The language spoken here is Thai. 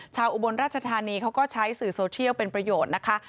อุบลราชธานีเขาก็ใช้สื่อโซเทียลเป็นประโยชน์นะคะ